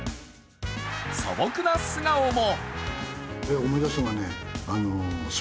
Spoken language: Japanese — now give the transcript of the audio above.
素朴な素顔も。